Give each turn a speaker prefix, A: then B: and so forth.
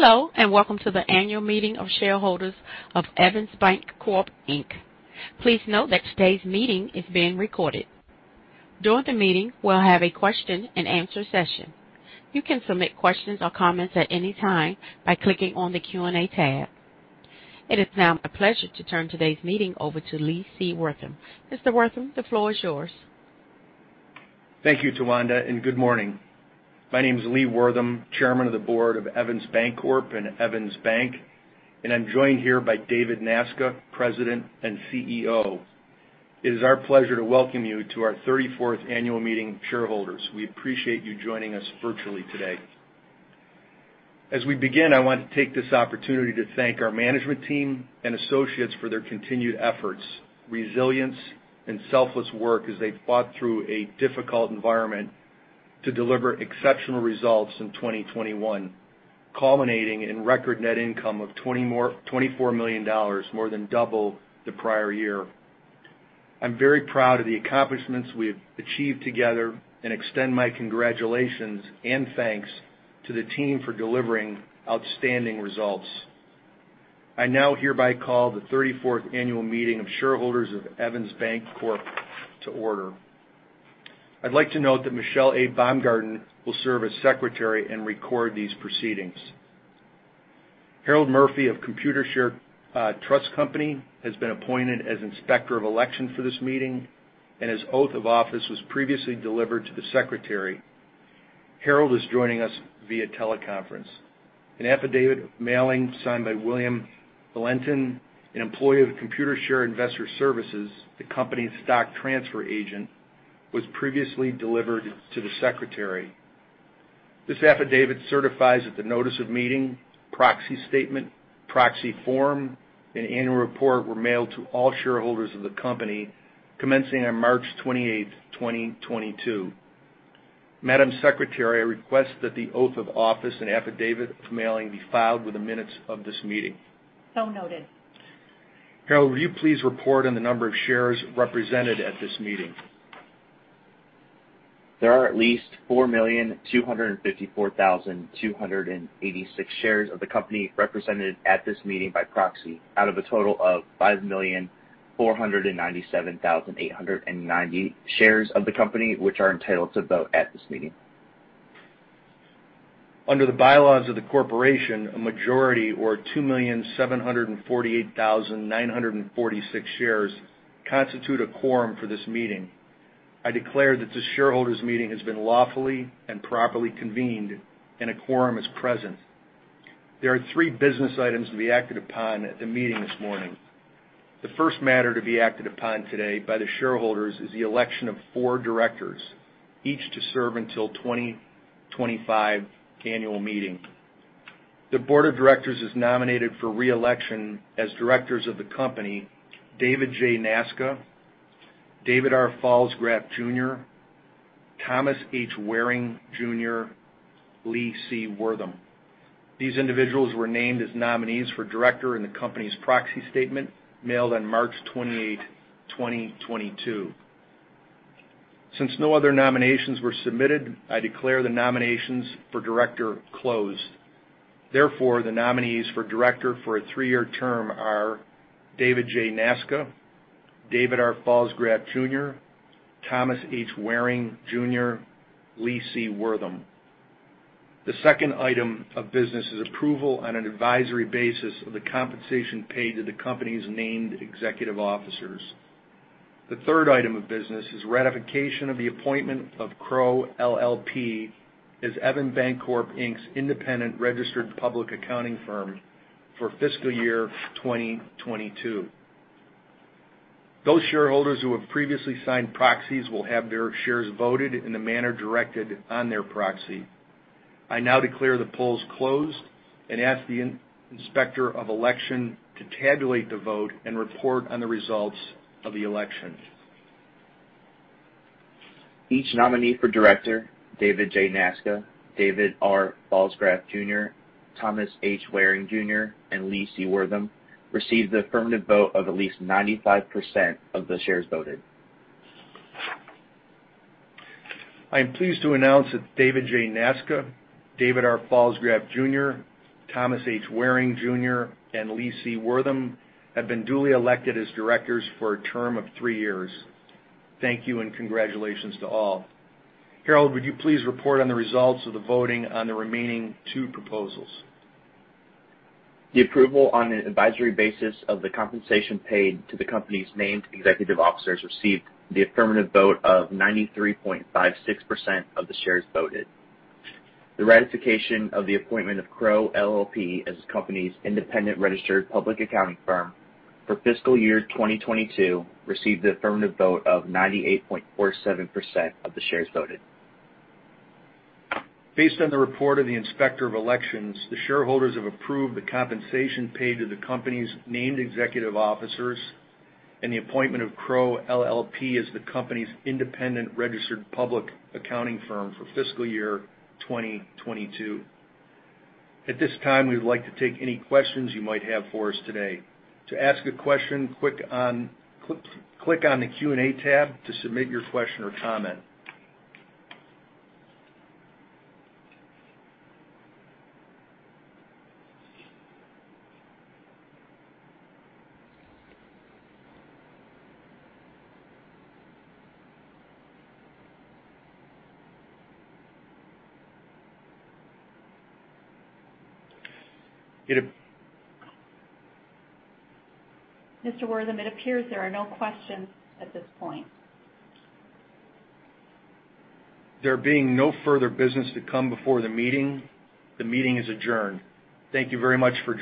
A: Hello, and welcome to the annual meeting of shareholders of Evans Bancorp, Inc. Please note that today's meeting is being recorded. During the meeting, we'll have a question and answer session. You can submit questions or comments at any time by clicking on the Q&A tab. It is now my pleasure to turn today's meeting over to Lee C. Wortham. Mr. Wortham, the floor is yours.
B: Thank you, Tawanda, and good morning. My name is Lee Wortham, Chairman of the Board of Evans Bancorp and Evans Bank, and I'm joined here by David Nasca, President and CEO. It is our pleasure to welcome you to our thirty-fourth annual meeting of shareholders. We appreciate you joining us virtually today. As we begin, I want to take this opportunity to thank our management team and associates for their continued efforts, resilience, and selfless work as they fought through a difficult environment to deliver exceptional results in 2021, culminating in record net income of $24 million, more than double the prior year. I'm very proud of the accomplishments we've achieved together and extend my congratulations and thanks to the team for delivering outstanding results. I now hereby call the thirty-fourth annual meeting of shareholders of Evans Bancorp to order. I'd like to note that Michelle A. Baumgartner will serve as secretary and record these proceedings. Harold Murphy of Computershare Trust Company has been appointed as Inspector of Election for this meeting, and his oath of office was previously delivered to the secretary. Harold is joining us via teleconference. An affidavit of mailing signed by William Valentin, an employee of Computershare Investor Services, the company's stock transfer agent, was previously delivered to the secretary. This affidavit certifies that the notice of meeting, proxy statement, proxy form, and annual report were mailed to all shareholders of the company commencing on March 28, 2022. Madam Secretary, I request that the oath of office and affidavit of mailing be filed with the minutes of this meeting.
C: Noted.
B: Harold, will you please report on the number of shares represented at this meeting?
D: There are at least 4,254,286 shares of the company represented at this meeting by proxy out of a total of 5,497,890 shares of the company, which are entitled to vote at this meeting.
B: Under the bylaws of the corporation, a majority, or 2,748,946 shares, constitute a quorum for this meeting. I declare that this shareholders meeting has been lawfully and properly convened, and a quorum is present. There are 3 business items to be acted upon at the meeting this morning. The first matter to be acted upon today by the shareholders is the election of 4 directors, each to serve until 2025 annual meeting. The Board of Directors has nominated for re-election as directors of the company, David J. Nasca, David R. Pfalzgraf Jr., Thomas H. Waring, Jr., Lee C. Wortham. These individuals were named as nominees for director in the company's proxy statement mailed on March 28, 2022. Since no other nominations were submitted, I declare the nominations for director closed. Therefore, the nominees for director for a three-year term are David J. Nasca, David R. Pfalzgraf Jr., Thomas H. Waring Jr., Lee C. Wortham. The second item of business is approval on an advisory basis of the compensation paid to the company's named executive officers. The third item of business is ratification of the appointment of Crowe LLP as Evans Bancorp, Inc.'s independent registered public accounting firm for fiscal year 2022. Those shareholders who have previously signed proxies will have their shares voted in the manner directed on their proxy. I now declare the polls closed and ask the inspector of election to tabulate the vote and report on the results of the election.
D: Each nominee for director, David J. Nasca, David R. Pfalzgraf Jr., Thomas H. Waring, Jr., and Lee C. Wortham, received the affirmative vote of at least 95% of the shares voted.
B: I am pleased to announce that David J. Nasca, David R. Pfalzgraf Jr., Thomas H. Waring, Jr., and Lee C. Wortham have been duly elected as directors for a term of three years. Thank you and congratulations to all. Harold, would you please report on the results of the voting on the remaining two proposals?
D: The approval on an advisory basis of the compensation paid to the company's named executive officers received the affirmative vote of 93.56% of the shares voted. The ratification of the appointment of Crowe LLP as the company's independent registered public accounting firm for fiscal year 2022 received the affirmative vote of 98.47% of the shares voted.
B: Based on the report of the Inspector of Election, the shareholders have approved the compensation paid to the company's named executive officers and the appointment of Crowe LLP as the company's independent registered public accounting firm for fiscal year 2022. At this time, we would like to take any questions you might have for us today. To ask a question, click on the Q&A tab to submit your question or comment.
A: Mr. Wortham, it appears there are no questions at this point.
B: There being no further business to come before the meeting, the meeting is adjourned. Thank you very much for your.